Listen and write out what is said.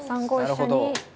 なるほど。